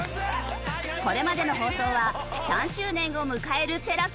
これまでの放送は３周年を迎えるＴＥＬＡＳＡでぜひ！